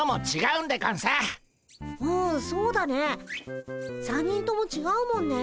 うんそうだね３人ともちがうもんね。